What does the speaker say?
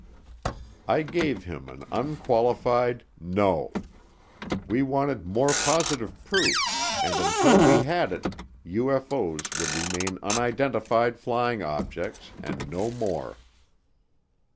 I gave him an unqualified "No." We wanted more positive proof, and until we had it, UFO's would remain unidentified flying objects and no more.